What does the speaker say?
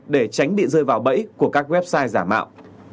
để tránh bị rơi vào bẫy của các website giả mạo